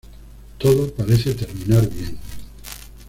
Todo parece terminar bien.